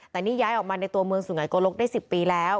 แต่นี่ย้ายออกมาในตัวเมืองสุไงโกลกได้๑๐ปีแล้ว